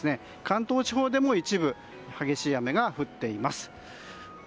関東地方でも一部激しい雨が降っています。